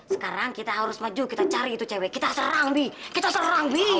sekarang kita harus maju kita cari itu cewek kita serang by kita serang bin